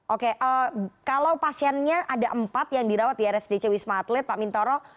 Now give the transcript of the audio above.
oke kalau pasiennya ada empat yang dirawat di rsdc wisma atlet pak mintoro